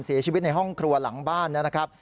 เสียชีวิตในห้องครัวหลังบ้านนะครับ